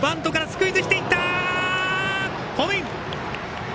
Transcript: ホームイン！